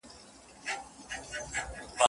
ایا څېړنه د بي پري نظر غوښتنه کوي؟